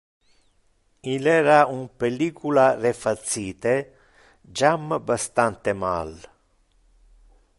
Il era un pellicula refacite, jam bastante mal.